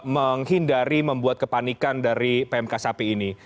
menghindari membuat kepanikan dari pmk sapi ini